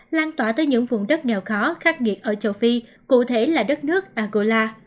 lan tỏa tới những vùng đất nghèo khó khắc nghiệt ở châu phi cụ thể là đất nước angola